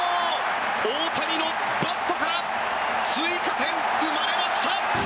大谷のバットから追加点、生まれました！